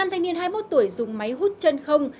năm thanh niên hai mươi một tuổi dùng máy hút chân không